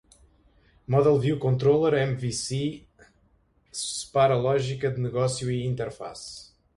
Model-View-Controller (MVC) separa lógica de negócio e interface.